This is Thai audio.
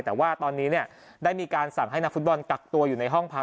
แต่ว่าตอนนี้ได้มีการสั่งให้นักฟุตบอลกักตัวอยู่ในห้องพัก